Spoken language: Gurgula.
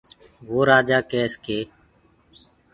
وو رآجآ ڪيس ڪي